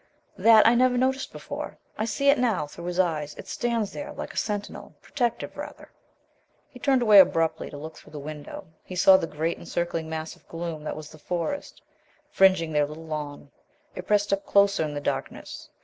That I never noticed before. I see it now through his eyes. It stands there like a sentinel protective rather." He turned away abruptly to look through the window. He saw the great encircling mass of gloom that was the Forest, fringing their little lawn. It pressed up closer in the darkness.